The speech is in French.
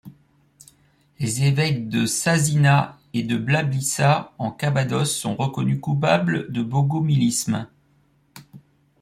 Les évêques de Sasina et de Blabissa en Cappadoce sont reconnus coupable de bogomilisme.